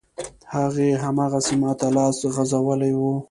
هغې، هماغسې ماته لاس غځولی و.